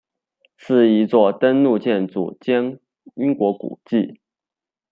是一座登录建筑兼英国古迹。